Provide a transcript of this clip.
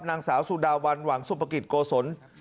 นางสาวสุดาวันหวังสุภกิจโกศล